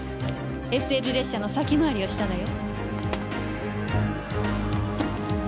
ＳＬ列車の先回りをしたのよ。